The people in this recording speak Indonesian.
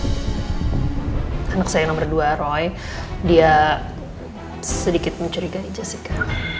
karena anak saya nomor dua roy dia sedikit mencurigai jessica